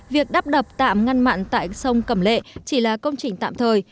việc đắp đập tạm ngăn mặn tại sông cẩm lệ chỉ là công trình tạm thời